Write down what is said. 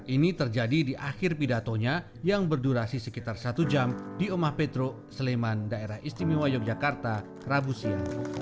ini terjadi di akhir pidatonya yang berdurasi sekitar satu jam di omah petro sleman daerah istimewa yogyakarta rabu siang